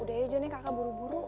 udah ya jonny kakak buru buru